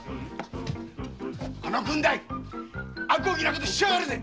あの郡代アコギなことしやがるぜ！